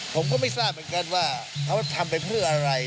ผมก็ไม่ทราบเหมือนกันว่าเขาทำไปเพื่ออะไร